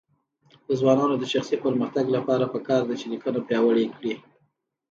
د ځوانانو د شخصي پرمختګ لپاره پکار ده چې لیکنه پیاوړې کړي.